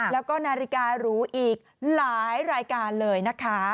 แล้วก็นาฬิการูอีกหลายรายการเลยนะคะ